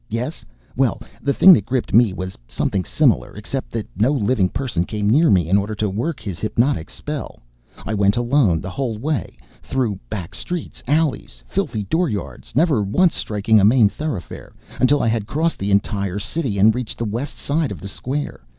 Yes? Well, the thing that gripped me was something similar except that no living person came near me in order to work his hypnotic spell. I went alone, the whole way. Through back streets, alleys, filthy dooryards never once striking a main thoroughfare until I had crossed the entire city and reached the west side of the square.